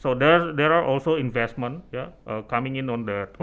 jadi ada juga investasi yang datang di pulau itu